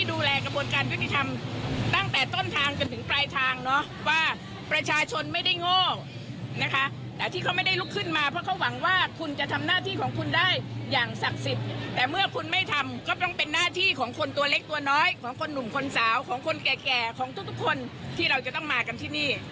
แต่เมื่อคุณไม่ทำก็ต้องเป็นหน้าที่ของคนตัวเล็กตัวน้อยของคนหนุ่มคนสาวของคนแก่ของทุกคนที่เราจะต้องมากันที่นี่